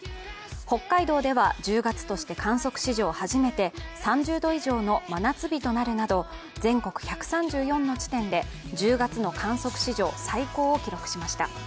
北海道では１０月として観測史上初めて３０度以上の真夏日となるなど全国１３４の地点で１０月の観測史上最高を記録しました。